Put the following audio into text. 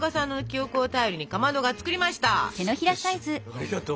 ありがとう！